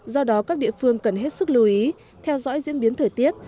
do đó các địa phương cần hết sức lưu ý theo dõi diễn biến thời tiết